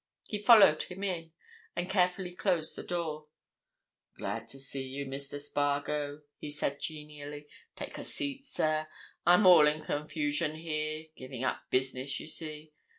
He followed him in and carefully closed the door. "Glad to see you, Mr. Spargo," he said genially. "Take a seat, sir—I'm all in confusion here—giving up business, you see.